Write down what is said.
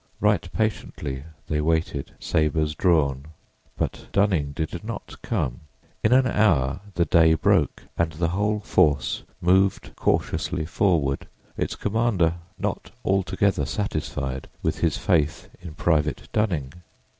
Right patiently they waited, sabers drawn, but Dunning did not come. In an hour the day broke and the whole force moved cautiously forward, its commander not altogether satisfied with his faith in Private Dunning.